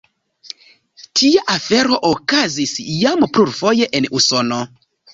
Tia afero okazis jam plurfoje en Usono.